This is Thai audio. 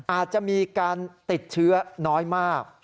อาจจะมีการติดเชื้อน้อยมาก